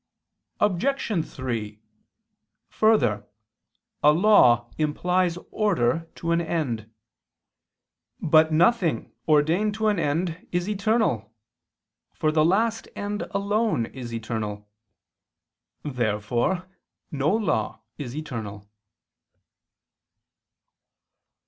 Obj. 3: Further, a law implies order to an end. But nothing ordained to an end is eternal: for the last end alone is eternal. Therefore no law is eternal.